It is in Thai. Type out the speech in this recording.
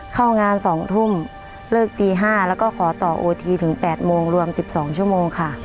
เข้างาน๒ทุ่มเลิกตี๕แล้วก็ขอต่อโอทีถึง๘โมงรวม๑๒ชั่วโมงค่ะ